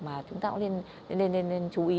mà chúng ta cũng nên chú ý